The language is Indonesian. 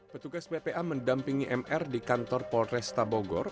petugas bpa mendampingi mr di kantor polresta bogor